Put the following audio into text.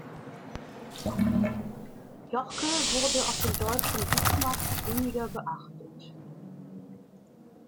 Yorke wurde auf dem deutschen Buchmarkt weniger beachtet.